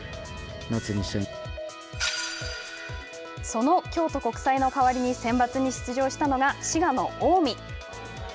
その京都国際の代わりにセンバツに出場したのが滋賀の近江。